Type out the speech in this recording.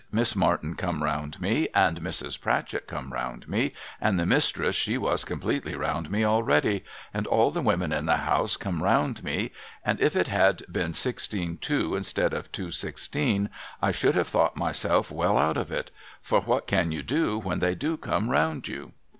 Miss Martin come round me, and Mrs. Pratchett come round me, and the Mistress she was completely round me already, and all the women in the house come round mc, and if it had been Sixteen two instead of Two sixteen, I should have thought myself well out of it. For what can you do when they do come round you